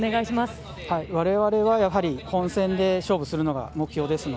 我々は本戦で勝負するのが目標です。